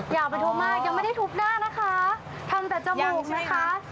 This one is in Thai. อย่าไปทุบมากยังไม่ได้ทุบหน้านะคะทำแต่จมูกนะคะ